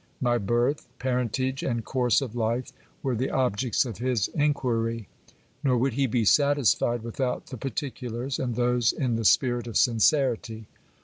My birth, parentage, and course of life were the objects of his inquiiy ; nor would he be satisfied without the particulars, and those in the spirit of sincerity.